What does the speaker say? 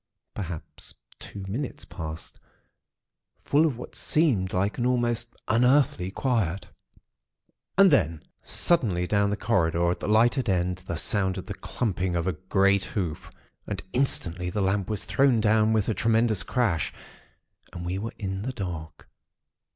Perhaps two minutes passed, full of what seemed like an almost unearthly quiet. And then, suddenly, down the corridor, at the lighted end, there sounded the clumping of a great hoof; and instantly the lamp was thrown down with a tremendous crash, and we were in the dark.